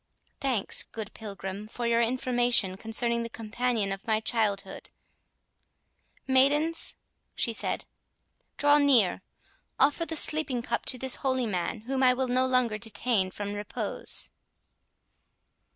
Thanks, good Pilgrim, for your information concerning the companion of my childhood.—Maidens," she said, "draw near—offer the sleeping cup to this holy man, whom I will no longer detain from repose."